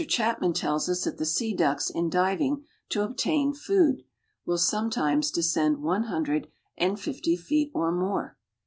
Chapman tells us that the sea ducks in diving to obtain food, will "sometimes descend one hundred and fifty feet or more."